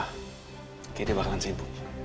kayak dia bakalan sibuk